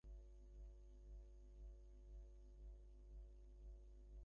মেয়েটি কিন্তু পেছন থেকে আপনাকে কামড়ে ধরে নি।